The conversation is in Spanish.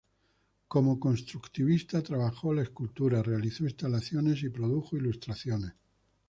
Como constructivista trabajó la escultura, realizó instalaciones y produjo ilustraciones.